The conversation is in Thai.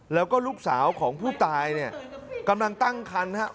แล้วก็ลูกสาวของผู้ตายเนี่ยกำลังตั้งคันครับ